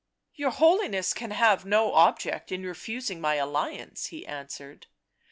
" Your Holiness can have no object in refusing my alliance," he answered.